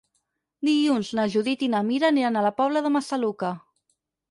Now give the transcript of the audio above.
Dilluns na Judit i na Mira aniran a la Pobla de Massaluca.